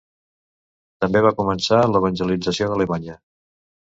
També va començar l’evangelització d’Alemanya.